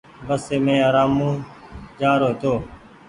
بسي مين ارآمون جآرو هيتو۔